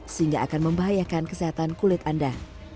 sehingga akan membahayakan kesehatan kulit anda